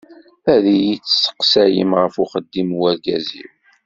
Ad iyi-d-testeqsayem ɣef uxeddim n ugraz-iw.